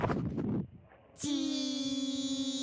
じっ。